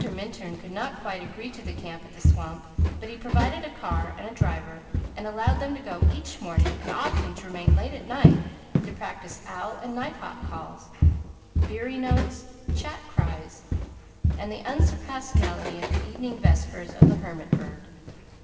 Minturn could not quite agree to the camp at the swamp, but he provided a car and a driver and allowed them to go each morning and often to remain late at night to practise owl and nighthawk calls, veery notes, chat cries, and the unsurpassed melody of the evening vespers of the Hermit bird.